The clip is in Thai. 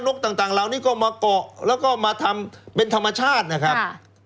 กต่างเหล่านี้ก็มาเกาะแล้วก็มาทำเป็นธรรมชาตินะครับ